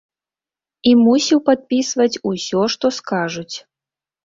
І мусіў падпісваць усё, што скажуць.